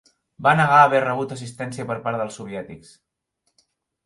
Va negar haver rebut assistència per part dels soviètics.